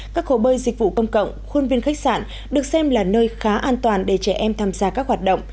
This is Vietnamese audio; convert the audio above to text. các hồ bơi dịch vụ công cộng khuôn viên khách sạn được xem là nơi khá an toàn để trẻ em tham gia các hoạt động